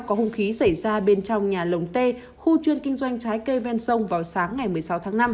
có hung khí xảy ra bên trong nhà lồng t khu chuyên kinh doanh trái cây ven sông vào sáng ngày một mươi sáu tháng năm